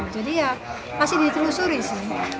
jadi ya masih ditelusuri sih